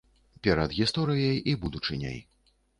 Перад гісторыяй і будучыняй.